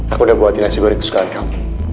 aku udah buatin nasib dari kesukaan kamu